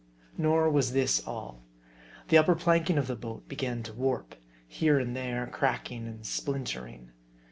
Nor was this all. The upper planking of the boat be gan to warp ; here and there, cracking and splintering.